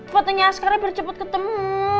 buatnya askara baru cepet ketemu